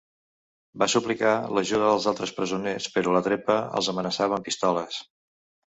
Va suplicar l'ajuda dels altres presoners, però la trepa els amenaçava amb pistoles.